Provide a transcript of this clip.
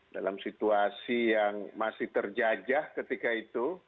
dalam situasi yang masih terjajah ketika itu